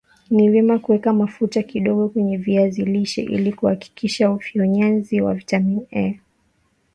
ni vyema kuweka mafuta kidogo kwenye viazi lishe ili kurahisisha ufyonzaji wa vitamini A